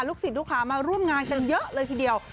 ศิษย์ลูกค้ามาร่วมงานกันเยอะเลยทีเดียว